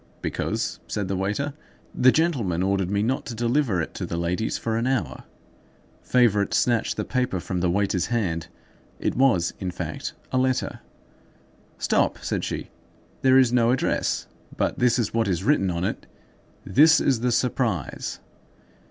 "Because," said the waiter, "the gentlemen ordered me not to deliver it to the ladies for an hour." Favourite snatched the paper from the waiter's hand. It was, in fact, a letter. "Stop!" said she; "there is no address; but this is what is written on it—" "THIS IS THE SURPRISE."